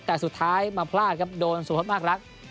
แต่สุดท้ายมาพลาดครับโดนสุพธมากรัก